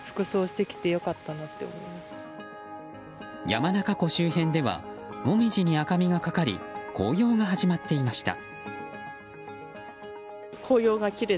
山中湖周辺ではモミジに赤みがかかり紅葉が始まっていました。